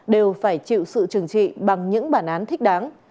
đều phải chịu sự trừng trị bằng những bản án thích đáng